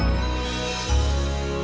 ampuni dosa anakku